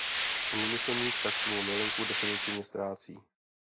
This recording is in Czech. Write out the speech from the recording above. Průmyslník tak svou milenku definitivně ztrácí.